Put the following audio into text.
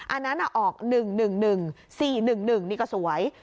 อันนั้นออก๑๑๑๔๑๑นี่ก็สวย